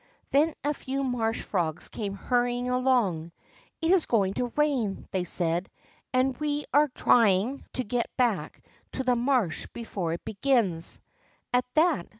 Then a few marsh frogs came hurrying along. It is going to rain," they said, and we are trying to get back to the marsh before it begins." At that.